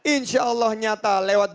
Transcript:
insya allah nyata lewat